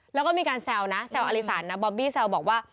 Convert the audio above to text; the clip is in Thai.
แล้วก็มีการแซวนะแซวอลิสันนะบอบบี้แซวบอกว่า